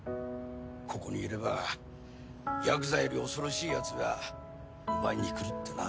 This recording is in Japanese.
ここにいればやくざより恐ろしいやつが奪いにくるってな。